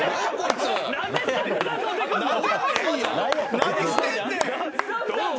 何してんねん！